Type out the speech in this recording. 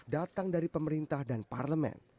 datang dari pemerintah dan parlemen